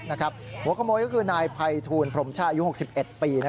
หัวขโมยก็คือนายไภทูลพรหมช่ายุทธ์๖๑ปี